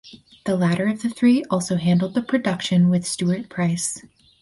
The latter of the three also handled the production with Stuart Price.